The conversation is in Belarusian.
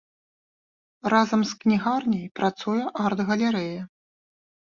Разам з кнігарняй працуе арт-галерэя.